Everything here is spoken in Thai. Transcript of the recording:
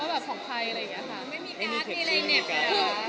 อันนี้ยังใหญ่เลยค่ะ